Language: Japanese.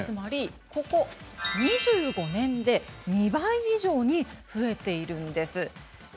ここ２５年で２倍以上に増えているんです。